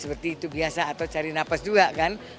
seperti itu biasa atau cari nafas juga kan